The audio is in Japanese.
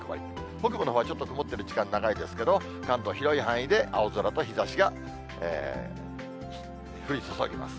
北部のほうはちょっと曇っている時間長いですけれども、関東、広い範囲で青空と日ざしが降り注ぎます。